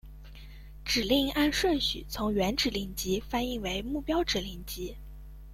指令按顺序从原指令集翻译为目标指令集。